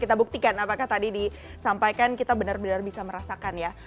kita buktikan apakah tadi disampaikan kita benar benar bisa merasakan ya